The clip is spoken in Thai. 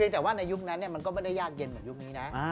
แต่ว่าในยุคนั้นมันก็ไม่ได้ยากเย็นเหมือนยุคนี้นะ